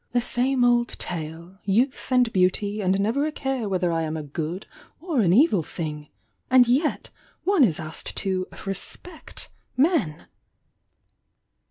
"The same old tale!— Youth and beauty! — and never a care whether I am a good or an evil thing! And yet one is asked to 'respect' men!"